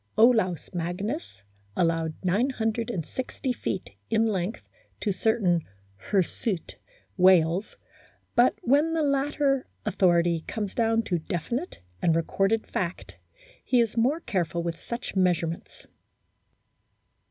Olaus Magnus allowed 960 feet in length to certain "hirsute" whales, but when the latter authority comes down to definite and recorded fact, he is more careful with such measure ments.